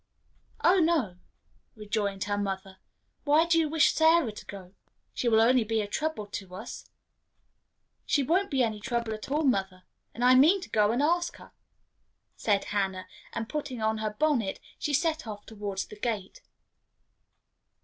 "Oh no," rejoined her mother, "why do you wish Sarah to go? She will only be a trouble to us." "She won't be any trouble at all, mother, and I mean to go and ask her," said Hannah; and, putting on her bonnet, she set off towards the gate.